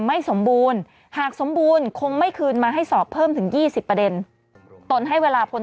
ไม่สมบูรณ์หากสมบูรณ์คงไม่คืนมาให้สอบเพิ่มถึง๒๐ประเด็นตนให้เวลาพล